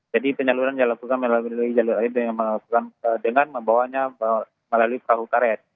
jadi penyeluruhan dilakukan melalui jalur air dengan membawanya melalui perahu karet